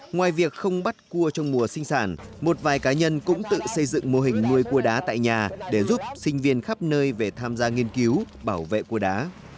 ngoài việc không bắt cua trong mùa sinh sản một vài cá nhân cũng tự xây dựng mô hình nuôi cua đá tại nhà để giúp sinh viên khắp nơi về tham gia nghiên cứu bảo vệ cua đá